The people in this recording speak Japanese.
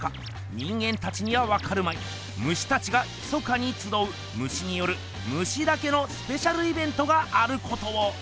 人間たちにはわかるまいムシたちがひそかにつどうムシによるムシだけのスペシャルイベントがあることを！